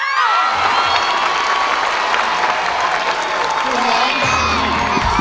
ขอให้ร้องได้